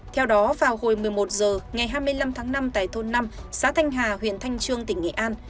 theo đó vào hồi một mươi một h ngày hai mươi năm tháng năm tại thôn năm xã thanh hà huyện thanh trương tỉnh nghệ an